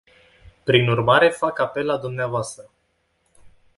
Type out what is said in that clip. Prin urmare fac apel la dvs.